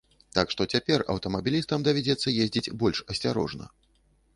Так што цяпер аўтамабілістам давядзецца ездзіць больш асцярожна.